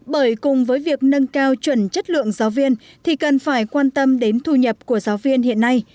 bởi cùng với việc nâng cao chuẩn chất lượng giáo viên thì cần phải quan tâm đến thu nhập của giáo viên hiện nay